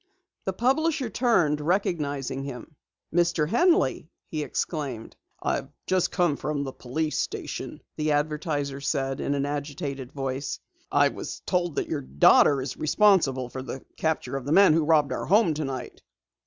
The publisher turned, recognizing him. "Mr. Henley!" he exclaimed. "I have just come from the police station," the advertiser said in an agitated voice. "I was told that your daughter is responsible for the capture of the men who robbed our home tonight."